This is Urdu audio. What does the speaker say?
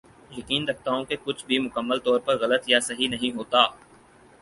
یقین رکھتا ہوں کہ کچھ بھی مکمل طور پر غلط یا صحیح نہیں ہوتا